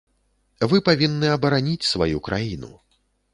Вы павінны абараніць сваю краіну.